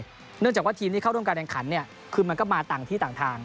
เนื่องจากว่าทีมที่เข้าร่วมการแข่งขันเนี่ยคือมันก็มาต่างที่ต่างทาง